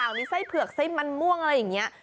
มีไส้เผือกไส้มันม่วงอะไรอย่างนี้